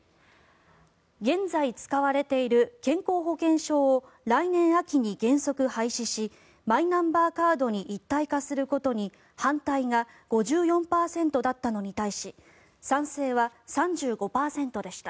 現在、使われている健康保険証を来年秋に原則廃止しマイナンバーカードに一体化することに反対が５４％だったのに対し賛成は３５％でした。